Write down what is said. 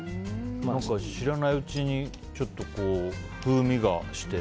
知らないうちにちょっと風味がして。